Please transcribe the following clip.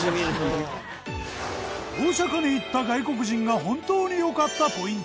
大阪に行った外国人が本当に良かったポイント。